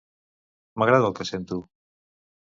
M'agrada el que sento.